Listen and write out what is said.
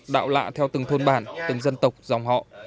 đạo lạ theo từng thôn bản từng dân tộc dòng họ